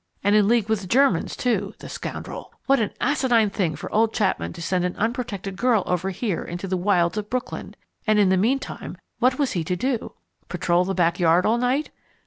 And in league with Germans, too, the scoundrel! What an asinine thing for old Chapman to send an unprotected girl over here into the wilds of Brooklyn ... and in the meantime, what was he to do? Patrol the back yard all night?